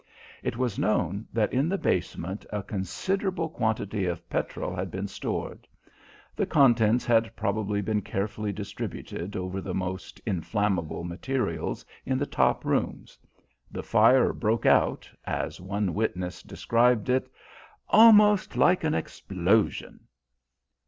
It was known that in the basement a considerable quantity of petrol had been stored. The contents had probably been carefully distributed over the most inflammable materials in the top rooms. The fire broke out, as one witness described it, "almost like an explosion."